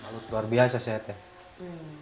luar biasa sehatnya